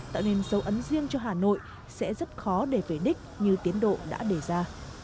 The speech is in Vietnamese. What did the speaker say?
tạo nên dấu ấn riêng cho hà nội sẽ rất khó để về đích như tiến độ đã đề ra